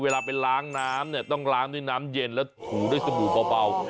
เวลาไปล้างน้ำเนี่ยต้องล้างด้วยน้ำเย็นแล้วถูด้วยสบู่เบา